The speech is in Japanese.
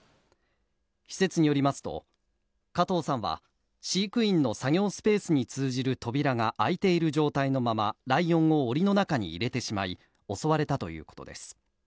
施設によりますと、加藤さんは、飼育員の作業スペースに通じる扉が開いている状態のままライオンをおりの中に入れてしまい、襲われたということです。